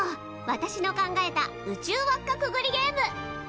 私の考えた宇宙輪っかくぐりゲーム。